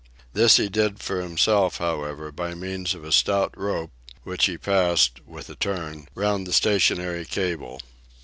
This he did for himself, however, by means of a stout rope, which he passed, with a turn, round the stationary cable.